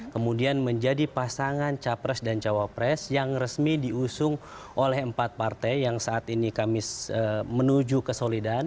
kemudian menjadi pasangan capres dan cawa pres yang resmi diusung oleh empat partai yang saat ini kami menuju kesolidaan